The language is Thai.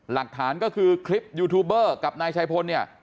หลักฐานก็คือคลิปยูทูบเบอร์กับนายชัยพลเนี่ย